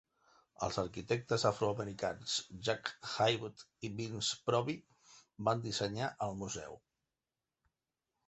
Els arquitectes afroamericans Jack Haywood i Vince Proby van dissenyar el museu.